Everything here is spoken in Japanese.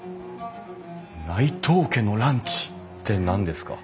「内藤家のランチ」って何ですか？